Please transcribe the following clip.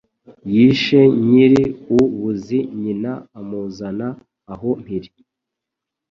Yishe Nyir-u-Buzi, Nyina amuzana aho mpiri.